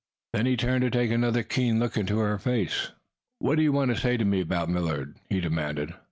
Then he turned to take another keen look into her face. "What do you want to say to me about Millard?" he demanded.